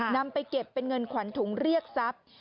นำไปเก็บเป็นเงินขวัญถุงเรียกทรัพย์